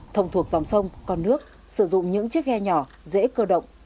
thông thuộc dòng sông con nước sử dụng những chiếc ghe nhỏ dễ cơ động